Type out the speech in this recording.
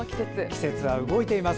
季節は動いています。